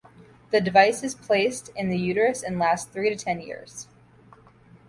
The device is placed in the uterus and lasts three to ten years.